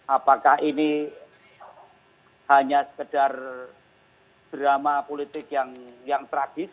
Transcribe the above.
apakah ini hanya sekedar drama politik yang tragis